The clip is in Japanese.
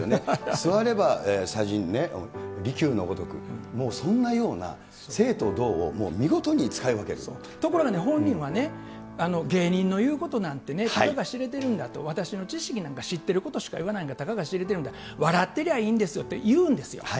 座れば茶人、利休のごとく、もうそんなような、静と動をもうところが本人はね、芸人の言うことなんてね、たかが知れてるんだと、私の知識なんか知ってることしか言わない、たかが知れてるんだ、笑ってりゃいいんですよって言うんですよ。